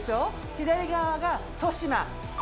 左側が利島。